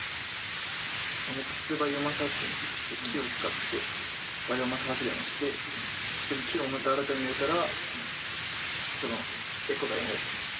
木質バイオマス発電っていって木を使ってバイオマス発電をして木をまた新たに植えたらエコだよねっていう。